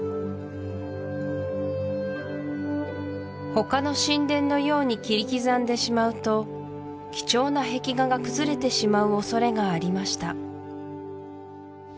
他の神殿のように切り刻んでしまうと貴重な壁画が崩れてしまう恐れがありました